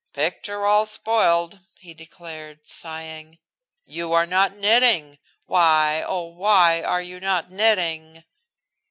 "Picture all spoiled," he declared, sighing. "You are not knitting. Why, oh, why are you not knitting?"